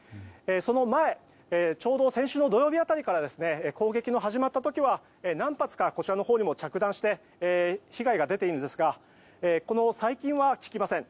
その前ちょうど先週の土曜日辺りから攻撃の始まった時は何発か着弾して被害が出ているんですが最近は聞きません。